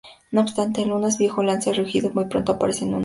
No obstante, el Unas viejo lanza un rugido, y pronto aparecen mas Unas.